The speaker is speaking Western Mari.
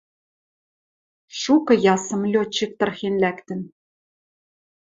Шукы ясым лётчик тырхен лӓктӹн